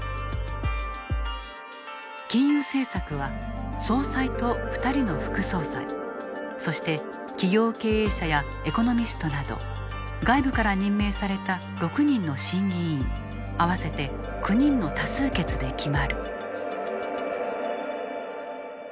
金融政策は総裁と２人の副総裁そして企業経営者やエコノミストなど外部から任命された６人の審議委員合わせて９人の多数決で決まる。